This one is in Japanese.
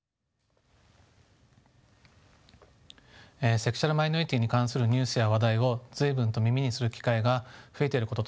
セクシュアルマイノリティーに関するニュースや話題を随分と耳にする機会が増えていることと思います。